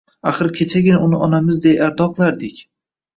Axir kechagina uni onamizdek ardoqlardik.